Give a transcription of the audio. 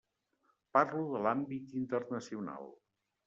Parlo de l'àmbit internacional.